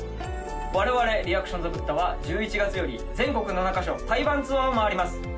我々リアクションザブッタは１１月より全国７カ所対バンツアーを回ります